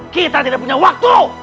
kita tidak punya waktu